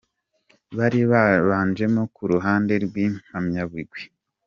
bari babanjemo ku ruhande rw'Impamyabigwi I.